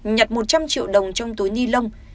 nhặt một trăm linh triệu đồng trong túi ni lông